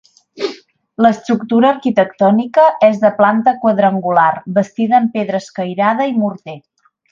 L'estructura arquitectònica és de planta quadrangular, bastida amb pedra escairada i morter.